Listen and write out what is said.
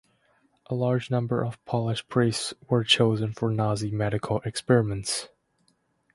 A large number of Polish priests were chosen for Nazi medical experiments.